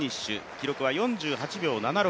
記録は４８秒７６。